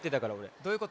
どういうこと？